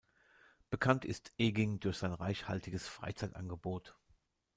Bekannt ist Eging durch sein reichhaltiges Freizeitangebot.